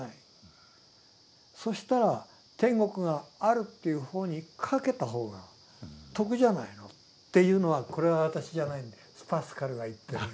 そしたら天国があるという方に賭けた方が得じゃないのっていうのはこれは私じゃないんでパスカルが言ってるんです。